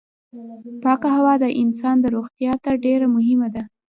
پاکه هوا د انسان روغتيا ته ډېره مهمه ده.